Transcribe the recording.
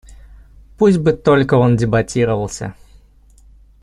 Пусть бы только он дебатировался.